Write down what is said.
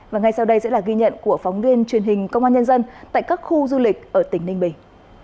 và ngay sau đây sẽ là ghi nhận của phóng viên truyền hình công an nhân dân tại các khu du lịch ở tỉnh ninh bình